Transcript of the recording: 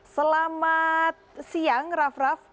selamat siang raff raff